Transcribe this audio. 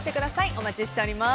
お待ちしております。